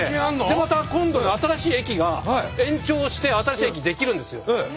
でまた今度新しい駅が延長して新しい駅出来るんですよ。